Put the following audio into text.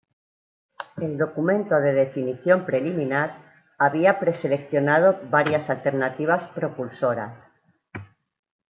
El documento de definición preliminar había preseleccionado varias alternativas propulsoras.